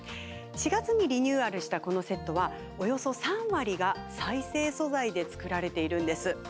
４月にリニューアルしたこのセットは、およそ３割が再生素材で作られているんです。